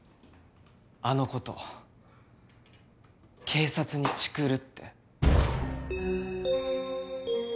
「あのこと警察にチクる」って。